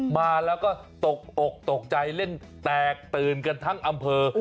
มาแล้วก็ตกอกตกใจเล่นแตกตื่นกันทั้งอำเภอ